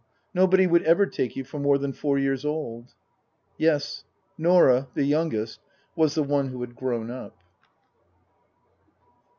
Nobody would ever take you for more than four years old." Yes. Norah, the youngest, was the one who had grown up.